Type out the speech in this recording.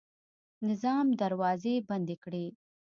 نظام دروازې بندې کړې.